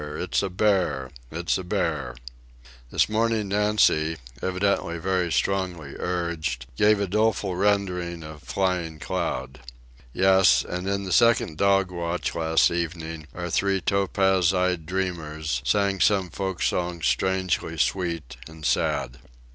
It's a bear! It's a bear!" This morning Nancy, evidently very strongly urged, gave a doleful rendering of Flying Cloud. Yes, and in the second dog watch last evening our three topaz eyed dreamers sang some folk song strangely sweet and sad.